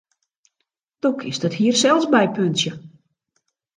Do kinst it hier sels bypuntsje.